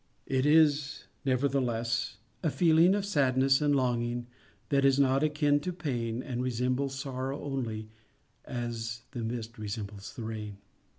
It is, nevertheless, A feeling of sadness and longing That is not akin to pain, And resembles sorrow only As the mist resembles the rain.